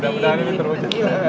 mudah mudahan ini terwujud